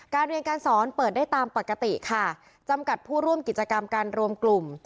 เรียนการสอนเปิดได้ตามปกติค่ะจำกัดผู้ร่วมกิจกรรมการรวมกลุ่ม